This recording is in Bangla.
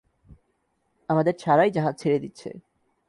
আমাদের ছাড়াই জাহাজ ছেড়ে দিচ্ছে!